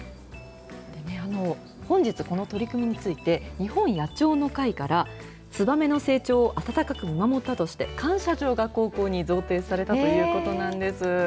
本日、この取り組みについて、日本野鳥の会から、ツバメの成長を温かく見守ったとして、感謝状が高校に贈呈されたということなんです。